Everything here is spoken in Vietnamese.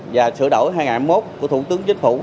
và sửa đổi hai nghìn một của thủ tướng chính phủ